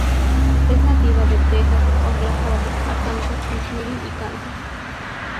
Es nativa de Texas, Oklahoma, Arkansas, Missouri y Kansas.